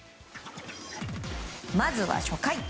まずは初回。